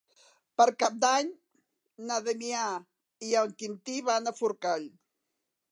Per Cap d'Any na Damià i en Quintí van a Forcall.